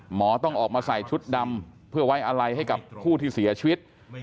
หมอต้องออกมาใส่ชุดดำเพื่อไว้อะไรให้กับผู้ที่เสียชีวิต